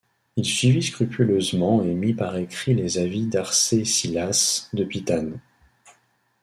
Il suivit scrupuleusement et mit par écrit les avis d'Arcésilas de Pitane.